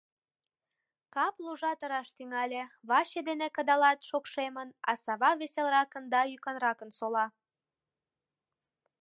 Кап лужат ыраш тӱҥале, ваче дене кыдалат шокшемын, а сава веселаракын да йӱканракын сола.